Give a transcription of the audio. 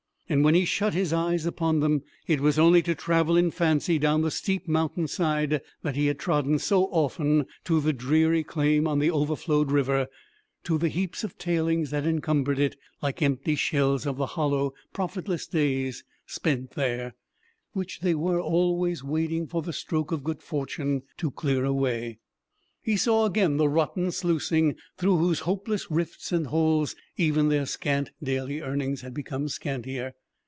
And when he shut his eyes upon them, it was only to travel in fancy down the steep mountain side that he had trodden so often to the dreary claim on the overflowed river, to the heaps of "tailings" that encumbered it, like empty shells of the hollow, profitless days spent there, which they were always waiting for the stroke of good fortune to clear away. He saw again the rotten "sluicing," through whose hopeless rifts and holes even their scant daily earnings had become scantier.